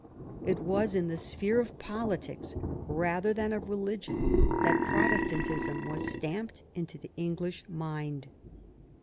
It was in the sphere of politics, rather than of religion, that Protestantism was stamped into the English mind.